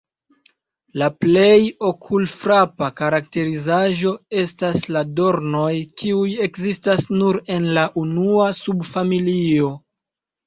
La plej okulfrapa karakterizaĵo estas la dornoj kiuj ekzistas nur en la unua subfamilio.